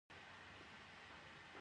د سافټویر جوړول وده کوي